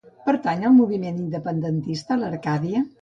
Pertany al moviment independentista l'Arcadia?